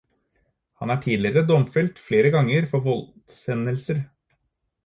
Han er tidligere domfelt flere ganger for voldshendelser.